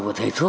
phải thầy thuốc